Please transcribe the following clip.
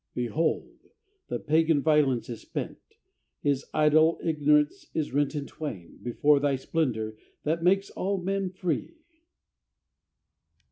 Behold! the pagan, Violence, is spent! His idol, Ignorance, is rent in twain Before thy splendor that makes all men free.